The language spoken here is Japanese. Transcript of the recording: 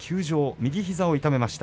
右膝を痛めました。